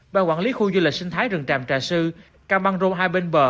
ban quản lý khu du lịch sinh thái rừng tràm trà sư cam băng rô hai bên bờ